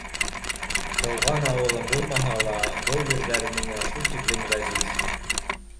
Тыуған ауылым булмаһа ла, был ерҙәр миңә шул тиклем ғәзиз.